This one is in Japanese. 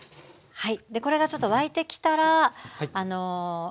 はい。